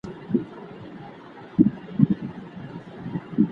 ولي کوښښ کوونکی د مخکښ سړي په پرتله برخلیک بدلوي؟